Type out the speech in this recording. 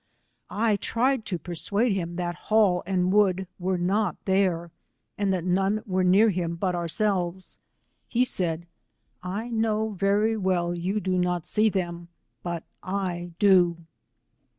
I tried to persuade him that Hall and Wood were not there, and that none were near him but ourselves : he said, I know very well you do not see them, but £ do.